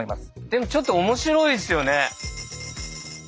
でもちょっと面白いですよね。